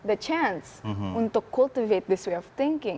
iya kesempatan untuk mengkultivasi cara berpikir ini